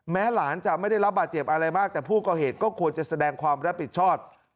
หลานจะไม่ได้รับบาดเจ็บอะไรมากแต่ผู้ก่อเหตุก็ควรจะแสดงความรับผิดชอบ